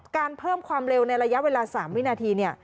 เพิ่มความเร็วในระยะเวลา๓วินาที